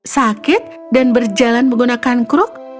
sakit dan berjalan menggunakan kruk